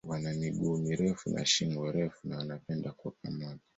Wana miguu mirefu na shingo refu na wanapenda kuwa pamoja.